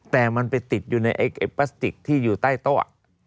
แต่มันไปติดอยู่ในพลาสติกที่อยู่ใต้โต๊ะ